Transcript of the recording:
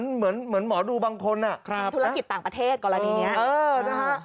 เหมือนเหมือนหมอดูบางคนน่ะครับธุรกิจต่างประเทศกว่าอะไรอย่างเนี้ยเออนะคะ